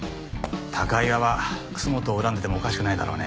高岩は楠本を恨んでてもおかしくないだろうね。